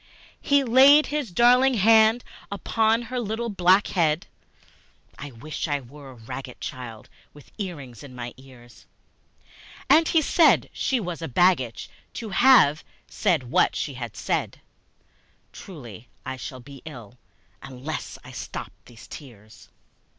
He laid his darling hand upon her little black head, (I wish I were a ragged child with earrings in my ears!) And he said she was a baggage to have said what she had said; (Truly I shall be ill unless I stop these tears!)